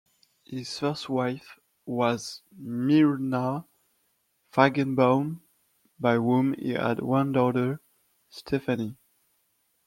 His first wife was Myrna Feigenbaum, by whom he had one daughter, Stephanie.